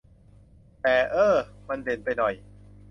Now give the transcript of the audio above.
แต่ เอ้อ มันเด่นไปหน่อย